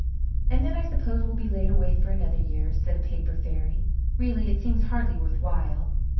"And then I suppose we'll be laid away for another year," said a paper fairy. "Really it seems hardly worth while.